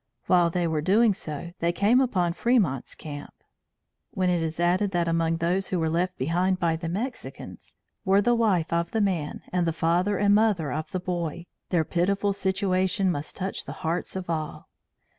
While they were doing so, they came upon Fremont's camp. When it is added that among those who were left behind by the Mexicans, were the wife of the man and the father and mother of the boy, their pitiful situation must touch the hearts of all.